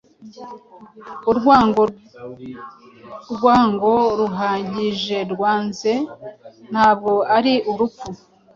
Urwango-rwango ruhagijerwanze ntabwo ari urupfu